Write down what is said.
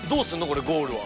これゴールは。